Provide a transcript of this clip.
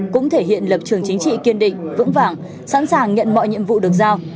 cũng thể hiện lập trường chính trị kiên định vững vàng sẵn sàng nhận mọi nhiệm vụ được giao